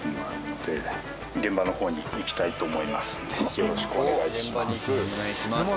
よろしくお願いします。